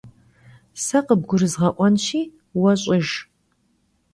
Se khıbgurızğe'uenşi, vue ş'ıjj.